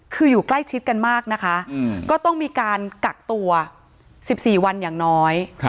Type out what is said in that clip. คืออยู่ใกล้ชิดกันมากนะคะก็ต้องมีการกักตัว๑๔วันอย่างน้อย